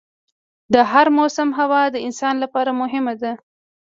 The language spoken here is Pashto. د هر موسم هوا د انسان لپاره مهم ده.